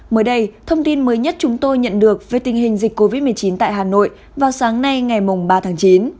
mới đây thông tin mới nhất chúng tôi nhận được về tình hình dịch covid một mươi chín tại hà nội vào sáng nay ngày ba tháng chín